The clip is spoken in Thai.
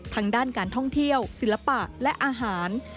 ทางด้านการท่องเที่ยวศิลปะและอาหาร